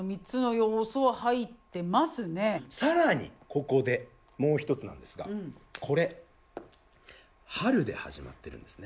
ここでもう一つなんですがこれ「春」で始まってるんですね。